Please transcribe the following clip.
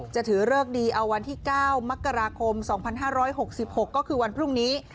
จะถือเลิกดีเอาวันที่๙มกราคม๒๕๖๖ก็คือวันพรุ่งนี้